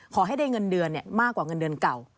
ขอให้ได้เงินเดือนมากกว่าเงินเดือนเก่า